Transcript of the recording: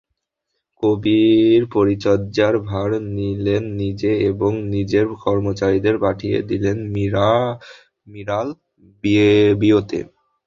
কবির পরিচর্যার ভার নিলেন নিজে এবং নিজের কর্মচারীদের পাঠিয়ে দিয়ে মিরাল রিয়োতে।